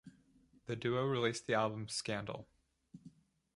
The duo released the album "Scandal".